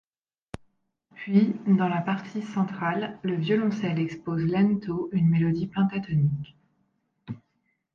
Puis dans la partie centrale le violoncelle expose lento une mélodie pentatonique.